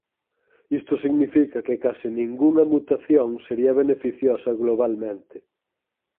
Isto significa que case ningunha mutación sería beneficiosa globalmente.